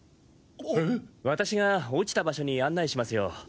私が落ちた場所に案内しますよ。